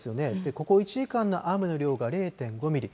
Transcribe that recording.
ここ１時間の雨の量が０．５ミリ。